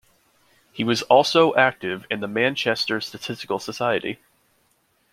He was also active in the Manchester Statistical Society.